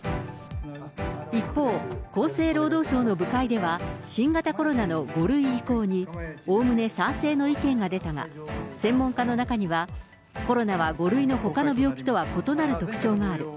一方、厚生労働省の部会では、新型コロナの５類移行に、おおむね賛成の意見が出たが、専門家の中には、コロナは５類のほかの病気とは異なる特徴がある。